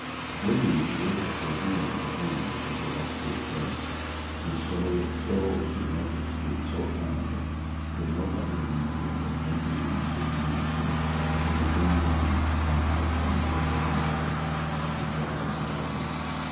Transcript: William judiciously humoured the whims of his illustrious guest, and stole to Norfolk Street so quietly that nobody in the neighbourhood recognised His Majesty in the thin gentleman who got out of the modest looking coach at the Czar's lodgings.